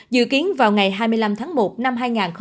dự kiến vào ngày hai mươi năm tháng một năm hai nghìn hai mươi